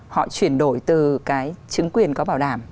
họ chuyển đổi từ cái chứng quyền có bảo đảm